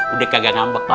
udah kagak ngambek lagi